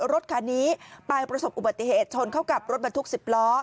รถคันนี้ไปประสบอุบัติเหตุชนเข้ากับรถบรรทุก๑๐ล้อ